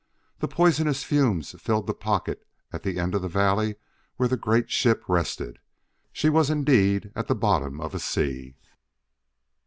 The poisonous fumes filled the pocket at the end of the valley where the great ship rested. She was indeed at the bottom of a sea.